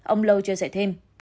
ông lâu chia sẻ thêm